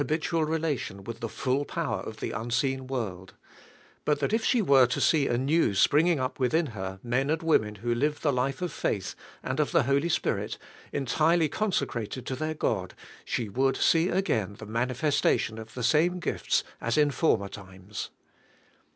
IB bitual relation with the full power of the unseen world ; but that if she were to set 1 anew springing up within her men and women who live the life of faith and of the Holy Spirit, entirely consecrated lo their God, she would see again the mani testation of the same gifts as in former times.